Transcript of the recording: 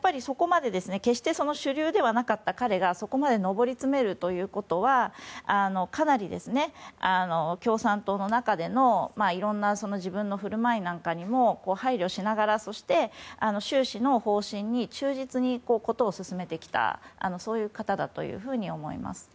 決して主流ではなかった彼がそこまで上り詰めるということはかなり共産党の中での自分の振る舞いなんかにも配慮しながらそして習氏の方針に忠実に事を進めてきた方だというふうに思います。